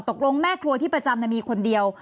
ตกลงแม่ครัวที่ประจำมีคนเดียว